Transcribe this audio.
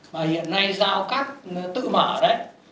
mà hiện nay giao cắt tự mở đấy